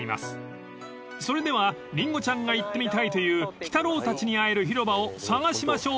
［それではりんごちゃんが行ってみたいという鬼太郎たちに会える広場を探しましょう］